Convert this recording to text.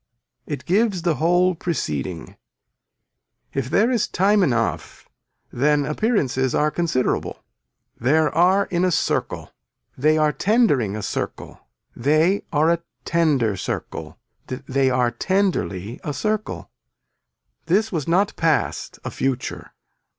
It gives the whole preceding. If there is time enough then appearances are considerable. There are in a circle. They are tendering a circle. They are a tender circle. They are tenderly a circle. This was not past a future.